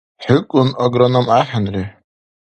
ХӀукӀун агроном ахӀенри?